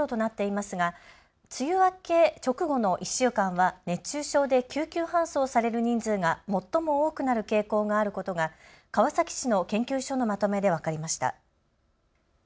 関東甲信の梅雨明けは例年７月１９日ごろとなっていますが梅雨明け直後の１週間は熱中症で救急搬送される人数が最も多くなる傾向があることが川崎市の研究所のまとめで分かりました。